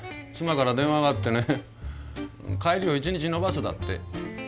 妻から電話があってね帰りを１日延ばすだって。